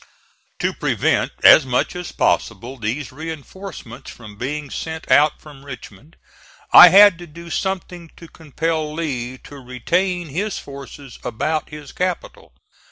To prevent as much as possible these reinforcements from being sent out from Richmond, I had to do something to compel Lee to retain his forces about his capital.